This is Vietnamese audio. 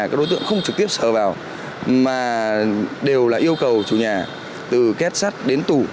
các đối tượng không trực tiếp sờ vào mà đều là yêu cầu chủ nhà từ kết sắt đến tù